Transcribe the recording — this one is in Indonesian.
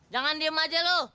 jangan diem aja lo